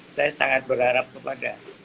saya sangat berharap kepada